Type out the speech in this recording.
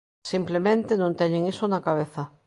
Simplemente, non teñen iso na cabeza.